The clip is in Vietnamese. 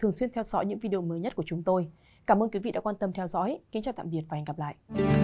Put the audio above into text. hẹn gặp lại